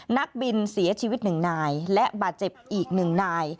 นักบินเสียชีวิต๑นายและบาดเจ็บอีก๑นาย